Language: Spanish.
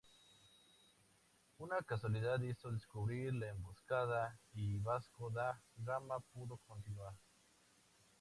Una casualidad hizo descubrir la emboscada y Vasco da Gama pudo continuar.